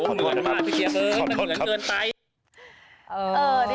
เหนือนมากพี่เจี๊ยบเฟิร์คมันเหนือนเกินไป